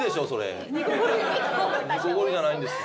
煮こごりじゃないんですか？